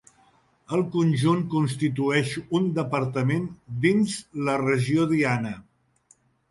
El conjunt constitueix un departament dins la regió Diana.